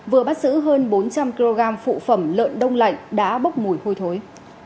vừa bắt giữ hơn bốn trăm linh kg phụ phẩm lợn đông lạnh đã bốc mùi hôi thối